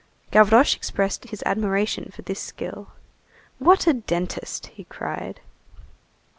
Gavroche expressed his admiration for this skill. "What a dentist!" he cried.